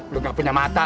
udah gak punya mata